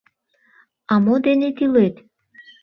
— А мо дене тӱлет?